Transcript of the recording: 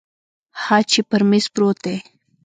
ها چې پر میز پروت دی